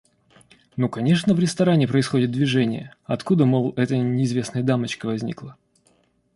Ну конечно в ресторане происходит движение, откуда, мол, эта неизвестная дамочка возникла.